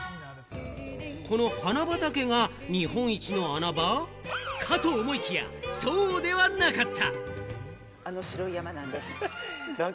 この花畑が日本一な穴場？かと思いきや、そうではなかった！